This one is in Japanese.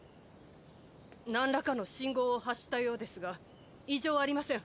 なんらかの信号を発したようですが異常ありません。